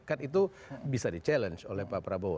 kan itu bisa di challenge oleh pak prabowo